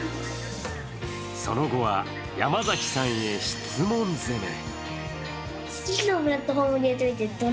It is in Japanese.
その後は山崎さんへ質問攻め。